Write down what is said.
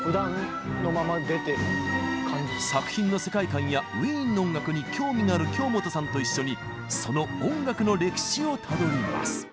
作品の世界観やウィーンの音楽に興味がある京本さんと一緒にその音楽の歴史をたどります。